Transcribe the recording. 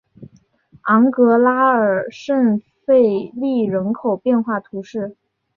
昂格拉尔圣费利人口变化图示